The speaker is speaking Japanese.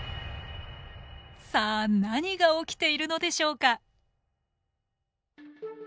さあ何が起きているのでしょうか？